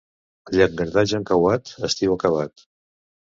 Llangardaix encauat, estiu acabat.